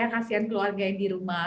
kasihan keluarga yang di rumah